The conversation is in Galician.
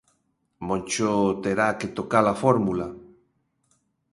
Moncho terá que tocala fórmula.